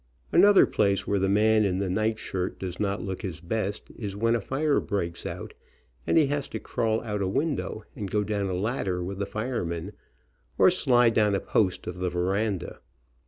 Another place where the man in the night shirt does not look his best is when a fire breaks out, and he has to crawl out a window and go down a ladder with the firemen, or slide down a post of the veranda.